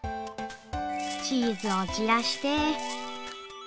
チーズを散らして。